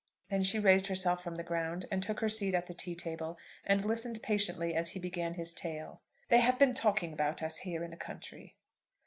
Then she raised herself from the ground and took her seat at the tea table, and listened patiently as he began his tale. "They have been talking about us here in the county."